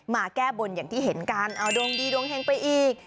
มาแก้บนอย่างที่เห็นกันเอาดวงดีดวงเฮงไปอีก